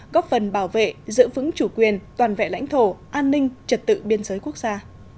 góp phần bảo vệ giữ vững chủ quyền toàn vẹn lãnh thổ an ninh trật tự biên giới quốc gia